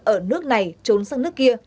ở nước này trốn sang nước kia